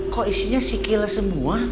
kok isinya sikila semua